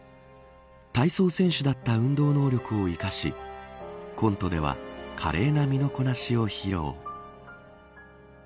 体操選手だった運動能力を生かしコントでは華麗な身のこなしを披露。